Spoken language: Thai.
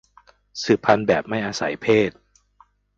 สืบพันธุ์แบบไม่อาศัยเพศ